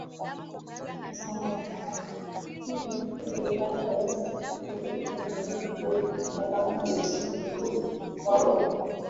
za mafarakano kule Ulaya miaka Mia tano iliyopita bado zina nguvu kwao